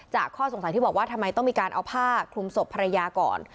ข้อสงสัยที่บอกว่าทำไมต้องมีการเอาผ้าคลุมศพภรรยาก่อน